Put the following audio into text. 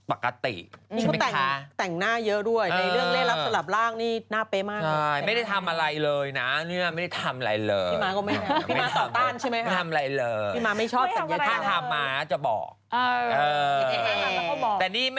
โอเคพี่อาชีพการงานมันต้องใช้อ่ะ